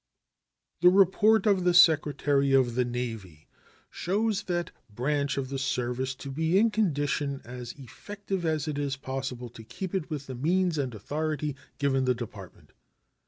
The report of the Secretary of the Navy shows that branch of the service to be in condition as effective as it is possible to keep it with the means and authority given the Department.